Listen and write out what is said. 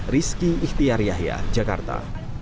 rizky ikhtiar yahya jakarta